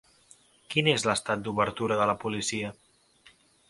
Quin és l'estat d'obertura de la policia?